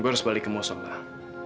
gue harus balik ke mosong lah